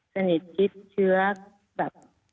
สนิทชิดเชื้อแบบ